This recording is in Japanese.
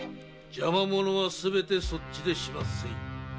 邪魔者はすべてそっちで始末せい。